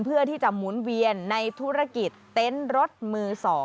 เพื่อที่จะหมุนเวียนในธุรกิจเต็นต์รถมือ๒